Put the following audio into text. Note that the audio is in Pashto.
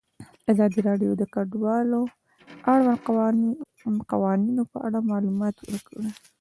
ازادي راډیو د کډوال د اړونده قوانینو په اړه معلومات ورکړي.